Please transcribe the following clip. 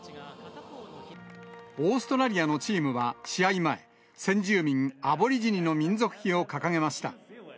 オーストラリアのチームは試合前、先住民アボリジニの民族旗を掲げました。